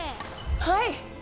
はい。